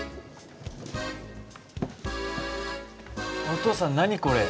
お父さん何これ？